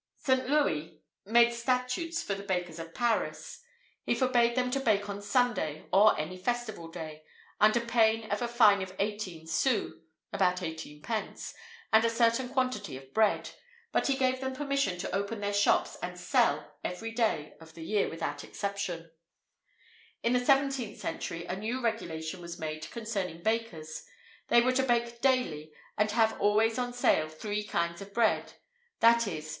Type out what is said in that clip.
[IV 77] Saint Louis made statutes for the bakers of Paris. He forbade them to bake on Sunday or any festival day, under pain of a fine of eighteen sous (about eight pence), and a certain quantity of bread. But he gave them permission to open their shops and sell every day of the year without exception.[IV 78] In the 17th century, a new regulation was made concerning bakers; they were to bake "daily, and have always on sale three kinds of bread, viz.